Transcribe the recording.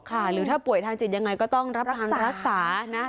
หรือถ้าป่วยทางจิตยังไงก็ต้องรับรักษานะ